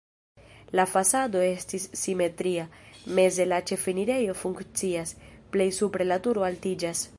La fasado estis simetria, meze la ĉefenirejo funkcias, plej supre la turo altiĝas.